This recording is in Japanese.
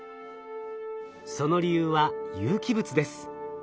その理由は有機物です。